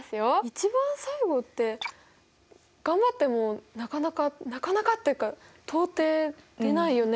一番最後って頑張ってもなかなかなかなかっていうか到底出ないよね？